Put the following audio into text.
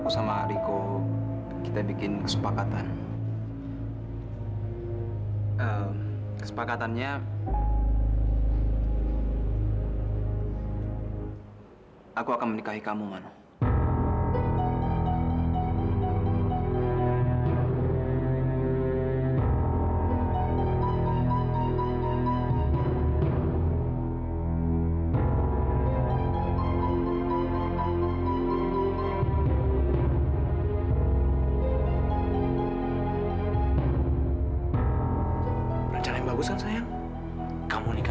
sampai jumpa di video selanjutnya